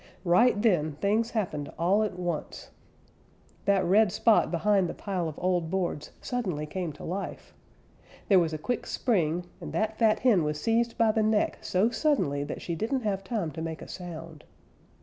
Right then things happened all at once. That red spot behind the pile of old boards suddenly came to life. There was a quick spring, and that fat hen was seized by the neck so suddenly that she didn't have time to make a sound.